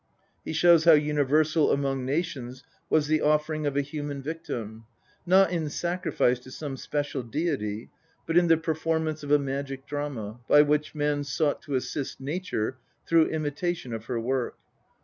He shows how universal among nations was the offering of a human victim, not in sacrifice to some special deity, but in the performance of a magic drama by which men sought to assist nature through imitation of her work.